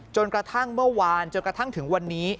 จนกระทั่งเมื่อวานจนกระทั่งถึงวันนี้